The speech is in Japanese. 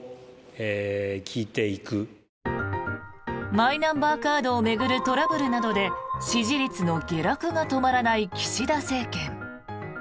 マイナンバーカードを巡るトラブルなどで支持率の下落が止まらない岸田政権。